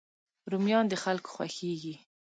رومیان د خلکو خوښېږي